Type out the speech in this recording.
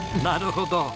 なるほど。